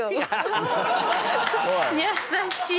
優しい！